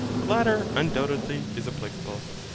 The latter, undoubtedly, is applicable.